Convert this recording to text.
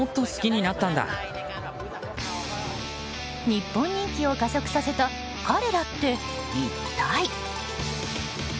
日本人気を加速させた彼らって一体？